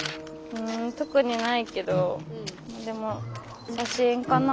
ん特にないけどでも写真かな？